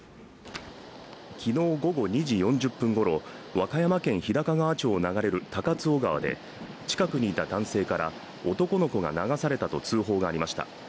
昨日午後２時４０分ごろ、和歌山県日高川町を流れる高津尾川で近くにいた男性から男の子が流されたと通報がありました。